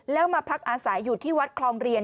แล้วมาพักอาศัยอยู่ที่วัดคลองเรียน